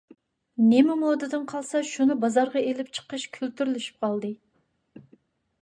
نېمە مودىدىن قالسا شۇنى بازارغا ئېلىپ چىقىش كۈلتۈرلىشىپ قالدى.